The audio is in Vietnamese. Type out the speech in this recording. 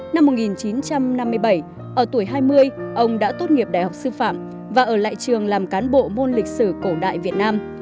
năm một nghìn chín trăm năm mươi bảy ở tuổi hai mươi ông đã tốt nghiệp đại học sư phạm và ở lại trường làm cán bộ môn lịch sử cổ đại việt nam